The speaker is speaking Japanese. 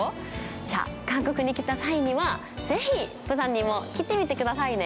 じゃあ、韓国に来た際にはぜひ釜山にも来てみてくださいね。